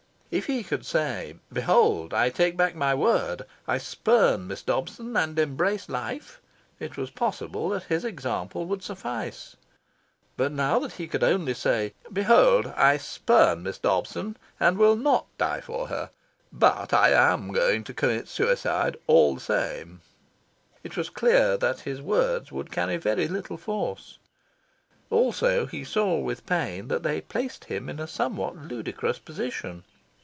If he could say "Behold, I take back my word. I spurn Miss Dobson, and embrace life," it was possible that his example would suffice. But now that he could only say "Behold, I spurn Miss Dobson, and will not die for her, but I am going to commit suicide, all the same," it was clear that his words would carry very little force. Also, he saw with pain that they placed him in a somewhat ludicrous position.